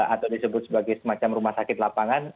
atau disebut sebagai semacam rumah sakit lapangan